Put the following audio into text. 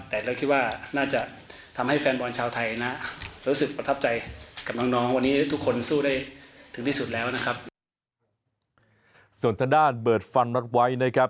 แต่เราคิดว่าน่าจะทำให้แฟนบอลชาวไทยนะ